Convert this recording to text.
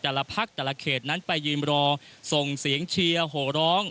แต่ละพักแต่ละเขตนั้นไปยืนรอส่งเสียงเชียร์โหร้อง